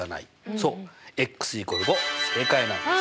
そう＝５正解なんです。